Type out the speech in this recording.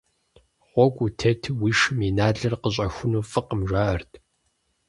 Гъуэгу утету уи шым и налыр къыщӀэхуну фӀыкъым, жаӀэрт.